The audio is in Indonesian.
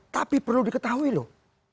tapi perlu diketahui loh